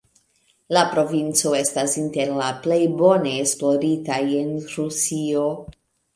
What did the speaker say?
La provinco estas inter la plej bone esploritaj en Rusio.